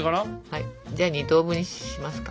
はいじゃあ２等分にしますか。